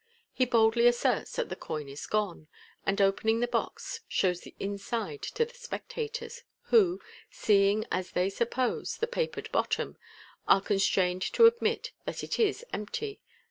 He boldly asserts that the coin is gone, and opening the box, shows the inside to the spectators, who seeing, as they sup pose, the papered bottom, are constrained to admit that it is empty.